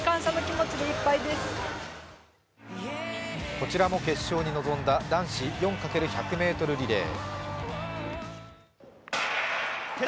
こちらも決勝に臨んだ男子４×１００ｍリレー。